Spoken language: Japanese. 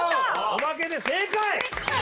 おまけで正解！